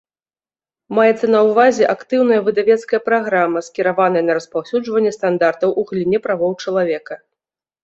Маецца на ўвазе актыўная выдавецкая праграма, скіраваная на распаўсюджванне стандартаў у галіне правоў чалавека.